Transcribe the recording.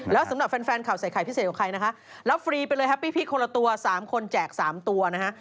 แล้วสำหรับแฟนข่าวใส่ไข่พิเศษของใครนะคะรับฟรีไปเลยแฮปปี้พลิกคนละตัว๓คนแจก๓ตัวนะฮะ